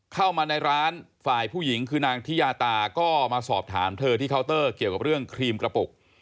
เข้ามาในร้านฝ่ายผู้หญิงคือนางทิยาตาก็มาสอบถามเธอที่เคาน์เตอร์เกี่ยวกับเรื่องครีมกระปุก